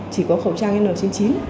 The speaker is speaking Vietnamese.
chỉ có khẩu trang n chín mươi chín